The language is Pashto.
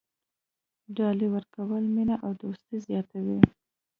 ډالۍ ورکول مینه او دوستي زیاتوي.